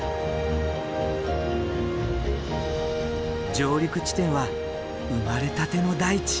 上陸地点は生まれたての大地